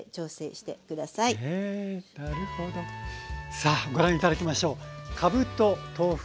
さあご覧頂きましょう。